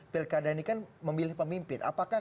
pilkada ini kan memilih pemimpin apakah